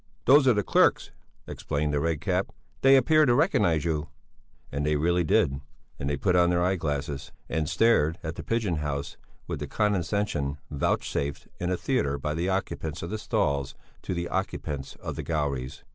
"Those are the clerks," explained the Red Cap; "they appear to recognize you." And they really did; they put on their eye glasses and stared at the pigeon house with the condescension vouchsafed in a theatre by the occupants of the stalls to the occupants of the galleries.